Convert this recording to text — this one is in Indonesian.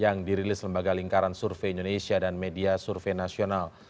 yang dirilis lembaga lingkaran survei indonesia dan media survei nasional